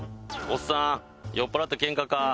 おっさん酔っぱらってケンカか？